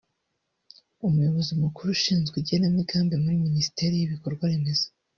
Umuyobozi Mukuru Ushinzwe Igenamigambi muri Minisiteri y’Ibikorwa Remezo